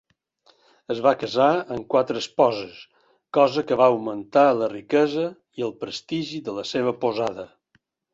Es va casar amb quatre esposes, cosa que va augmentar la riquesa i el prestigi de la seva posada.